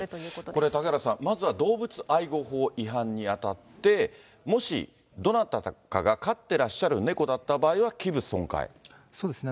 これ、嵩原さん、まずは動物愛護法違反に当たって、もしどなたかが飼ってらっしゃるそうですね。